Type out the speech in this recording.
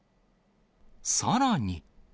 さらに。